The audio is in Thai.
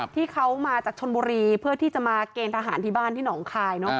ที่เขามาจากชนบุรีเพื่อที่จะมาเกณฑ์ทหารที่บ้านที่หนองคาย